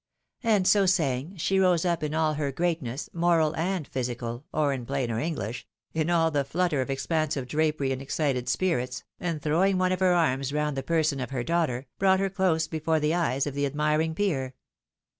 And so saying, she rose up in all her greatness, moral and physical, or, in plainer English, in all the flutter of expansive drapery and excited spirits, and throwing one of her arms round the person of her daughter, brought her close before the eyes of the admiring peer.